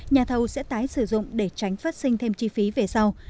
nhà thầu sẽ tái sử dụng để tránh phát sinh thêm chi phí về sau